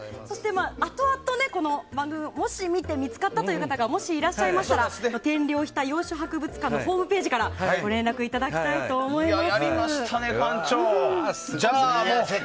あとあとこの番組をもし見て見つかった方がいらっしゃったらもしいらっしゃいましたら天領日田洋酒博物館のホームページからご連絡いただきたいと思います。